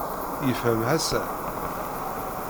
Yefhem Ḥasan.